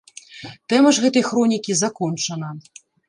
Тэма ж гэтай хронікі закончана.